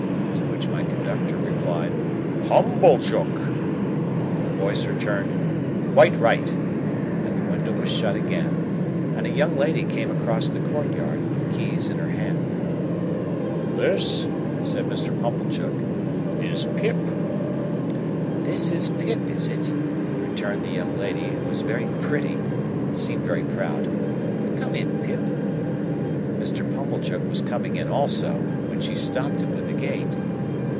To which my conductor replied, "Pumblechook." The voice returned, "Quite right," and the window was shut again, and a young lady came across the court yard, with keys in her hand. "This," said Mr. Pumblechook, "is Pip." "This is Pip, is it?" returned the young lady, who was very pretty and seemed very proud; "come in, Pip." Mr. Pumblechook was coming in also, when she stopped him with the gate.